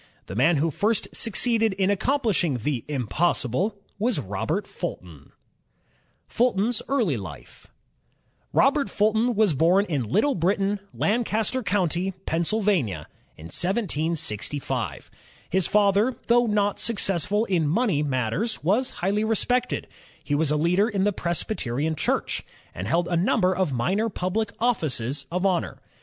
The man who first succeeded in accomplishing the "impossible" was Robert Fulton. 32 INVENTIONS OF STEAM AND ELECTRIC POWER Fulton's Early Life Robert Fulton was bom at Little Britain, Lancaster County, Pennsylvania, in 1765. His father, though not successful in money matters, was higlily respected; he was a leader in the Presbyterian Church, and held a num ber of minor public offices of honor.